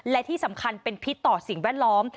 และที่สำคัญเป็นพิษต่อสิ่งแวดล้อม